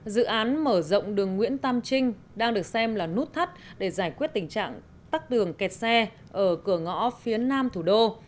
dự án mở rộng đường nguyễn tam trinh đang được xem là nút thắt để giải quyết tình trạng tắt đường kẹt xe ở cửa ngõ phía nam thủ đô